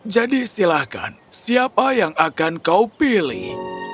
jadi silakan siapa yang akan kau pilih